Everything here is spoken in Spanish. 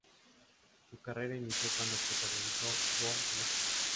Su carrera inició cuando protagonizó "Bo' Selecta!